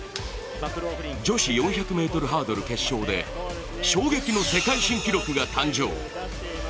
女子４００ｍハードル決勝で衝撃の世界新記録が誕生。